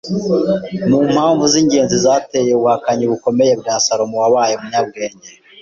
mu mpamvu z’ingenzi zateye ubuhakanyi bukomeye bwa Salomo wabaye umunyabwenge